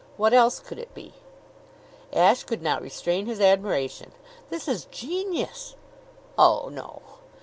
What else could it be?" Ashe could not restrain his admiration. "This is genius!" "Oh, no!"